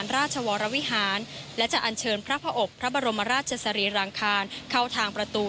ราชวรวิหารและจะอันเชิญพระอบพระบรมราชสรีรางคารเข้าทางประตู